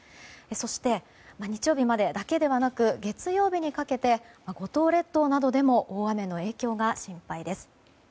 そして、日曜日までだけではなく月曜日にかけて五島列島などでも大雨の影響が心配です。